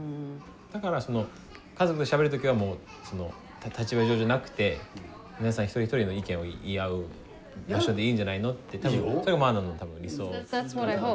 だから家族でしゃべる時はもうその立場上じゃなくて皆さん一人一人の意見を言い合う場所でいいんじゃないのって多分それが摩阿那の理想。